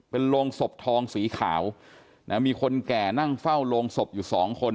เป็นโรงศพทองสีขาวนะมีคนแก่นั่งเฝ้าโรงศพอยู่สองคน